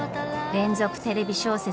連続テレビ小説